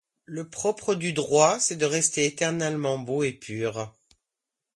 Le propre du droit, c’est de rester éternellement beau et pur.